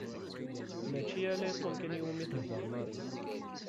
Mačči ala Tom kan iwimi tehder Mary.